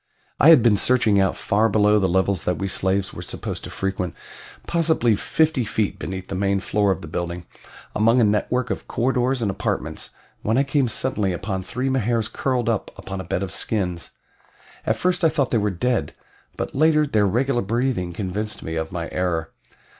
I had been searching about far below the levels that we slaves were supposed to frequent possibly fifty feet beneath the main floor of the building among a network of corridors and apartments, when I came suddenly upon three Mahars curled up upon a bed of skins. At first I thought they were dead, but later their regular breathing convinced me of my error.